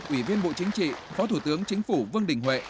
ủy viên bộ chính trị phó thủ tướng chính phủ vương đình huệ